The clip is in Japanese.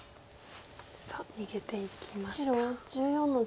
さあ逃げていきました。